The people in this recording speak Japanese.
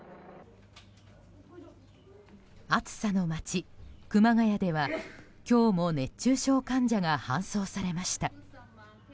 暑さの街・熊谷では今日も熱中症患者が搬送されました。